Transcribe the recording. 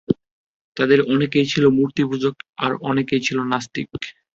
তাদের অনেকেই ছিল মূর্তিপূজক আর অনেকই ছিল নাস্তিক।